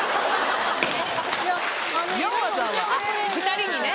２人にね。